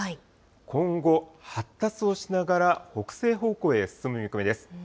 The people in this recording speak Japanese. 今後、発達をしながら北西方向へ進む見込みです。